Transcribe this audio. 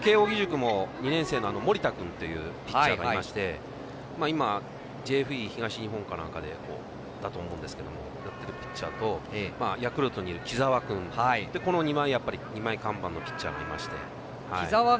慶応義塾も２年生のもりたくんというピッチャーがいまして、今ＪＦＥ東日本でやっているピッチャーとヤクルトにいる木澤君のこの２枚看板のピッチャーがいて。